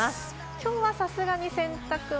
きょうはさすがに洗濯は？